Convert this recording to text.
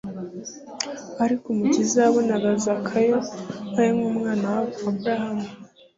ariko Umukiza yabonaga Zakayo na we nk'umwana w'Aburahamu.